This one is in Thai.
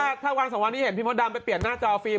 คือถ้าวันสักวันดิเห็นพี่มดดำไปเปลี่ยนหน้าจอฟิล์ม